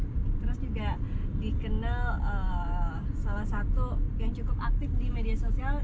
terus juga dikenal salah satu yang cukup aktif di media sosial